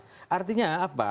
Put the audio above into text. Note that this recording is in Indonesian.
tapi artinya apa